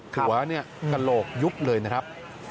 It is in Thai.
หัวเนี่ยกระโหลกยุบเลยนะครับ